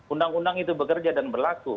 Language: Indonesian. undang undang itu bekerja dan berlaku